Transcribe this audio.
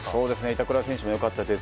板倉選手も良かったです